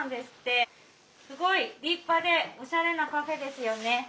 すごい立派でおしゃれなカフェですよね。